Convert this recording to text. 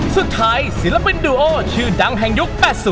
สุดท้ายศิลปินดูโอชื่อดังแห่งยุค๘๐